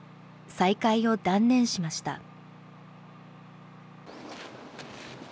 再開を断念しました。